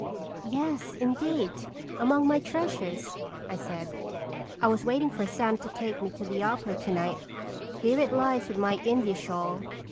"Yes, indeed, among my treasures," I said. " I was waiting for Sam to take me to the opera to night. Here it lies with my India shawl."